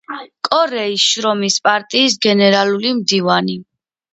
კორეის შრომის პარტიის გენერალური მდივანი.